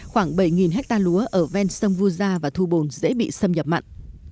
khoảng bảy hectare lúa ở ven sông vu gia và thu bồn dễ bị xâm nhập mặn